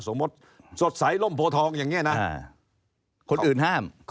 สมมุติสดใสร่มโผทองอย่างนี้นะคนอื่นห้าม